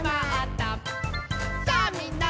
「さあみんな！